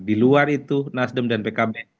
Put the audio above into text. di luar itu nasdem dan pkb